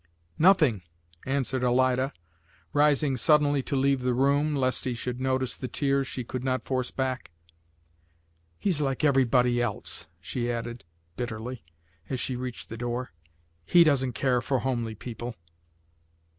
"Nothing," answered Alida, rising suddenly to leave the room, lest he should notice the tears she could not force back. "He's like everybody else," she added, bitterly, as she reached the door. "He doesn't care for homely people."